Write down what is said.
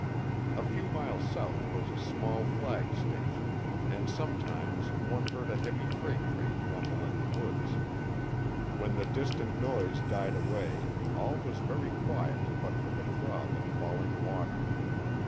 A few miles south was a small flag station, and sometimes one heard a heavy freight train rumble in the woods. When the distant noise died away all was very quiet but for the throb of falling water.